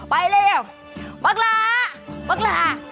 ไปแล้วมักลามักลา